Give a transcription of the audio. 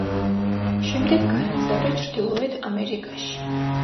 შემდეგ გაემგზავრა ჩრდილოეთ ამერიკაში.